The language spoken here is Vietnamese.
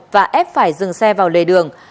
và ép phải dừng xe vào lề đường